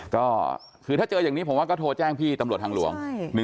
ก็คือถ้าเจออย่างนี้ผมว่าก็โทรแจ้งพี่ตำรวจทางหลวง